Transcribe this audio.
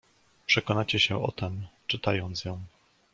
"Przekonacie się o tem, czytając ją."